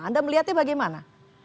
anda melihatnya bagaimana